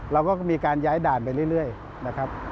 เราก็มีการย้ายด่านไปเรื่อยนะครับ